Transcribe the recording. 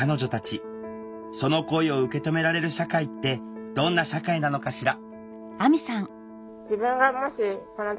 その声を受けとめられる社会ってどんな社会なのかしら？